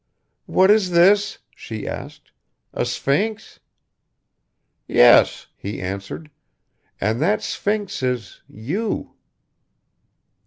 "What is this?" she asked. "A sphinx?" "Yes," he answered, "and that sphinx is you."